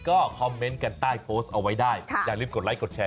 ก็คอมเมนต์กันใต้โพสต์เอาไว้ได้อย่าลืมกดไลคดแชร์